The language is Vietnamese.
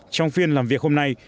trong phiên làm việc hôm nay